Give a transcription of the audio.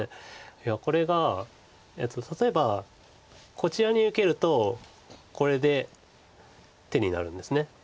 いやこれが例えばこちらに受けるとこれで手になるんです。